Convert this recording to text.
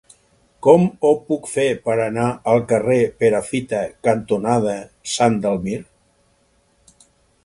Com ho puc fer per anar al carrer Perafita cantonada Sant Dalmir?